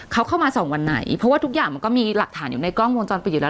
เขาเข้ามาสองวันไหนเพราะว่าทุกอย่างมันก็มีหลักฐานอยู่ในกล้องวงจรปิดอยู่แล้ว